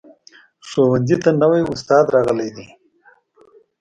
ښوونځي ته نوي استاد راغلی ده